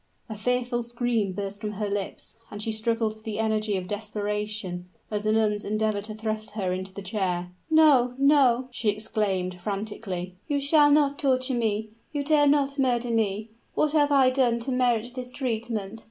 A fearful scream burst from her lips, and she struggled with the energy of desperation, as the nuns endeavored to thrust her into the chair. "No no!" she exclaimed, frantically; "you shall not torture me you dare not murder me! What have I done to merit this treatment!